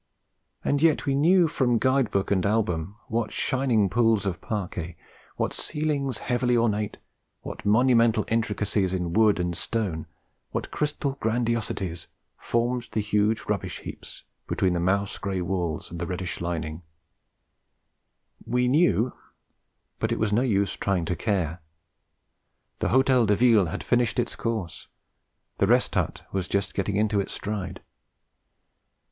And yet we knew from guide book and album what shining pools of parquet, what ceilings heavily ornate, what monumental intricacies in wood and stone, what crystal grandiosities, formed the huge rubbish heaps between the mouse grey walls with the reddish lining: we knew, but it was no use trying to care. The Hôtel de Ville had finished its course; the Rest Hut was just getting into its stride.